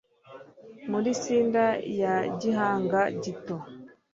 Muri cinder ya gihanga gito,